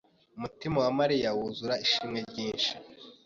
umutima wa Mariya wuzura ishimwe ryinshi.